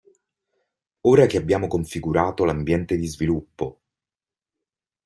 Ora che abbiamo configurato l'ambiente di sviluppo.